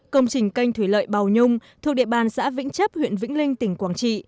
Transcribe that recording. công trình canh thủy lợi bào nhung thuộc địa bàn xã vĩnh chấp huyện vĩnh linh tỉnh quảng trị